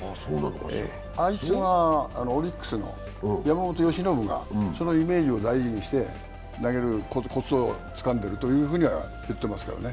オリックスの山本由伸がそのイメージを大事にして、投げるコツをつかんでるとは言ってますけどね。